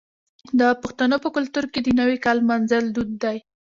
د پښتنو په کلتور کې د نوي کال لمانځل دود دی.